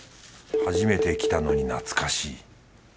初めて来たのに懐かしい。